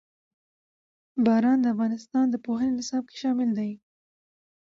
باران د افغانستان د پوهنې نصاب کې شامل دي.